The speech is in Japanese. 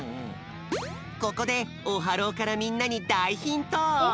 ここでオハローからみんなにだいヒント！